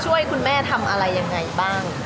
ช่วยคุณแม่ทำอะไรยังไงบ้าง